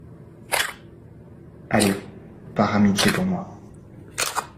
Allez, par amitié pour moi.